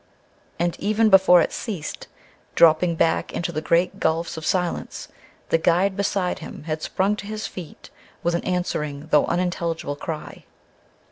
And, even before it ceased, dropping back into the great gulfs of silence, the guide beside him had sprung to his feet with an answering though unintelligible cry.